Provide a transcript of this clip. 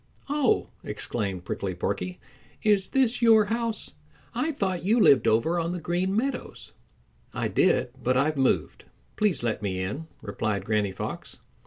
"Oh!" exclaimed Prickly Porky, "is this your house? I thought you lived over on the Green Meadows." "I did, but I've moved. Please let me in," replied Granny Fox.